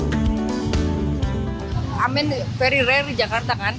i mean very rare jakarta kan